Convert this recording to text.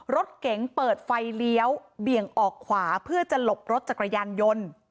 รถเก๋งเปิดไฟเลี้ยวเบี่ยงออกขวาเพื่อจะหลบรถจักรยานยนต์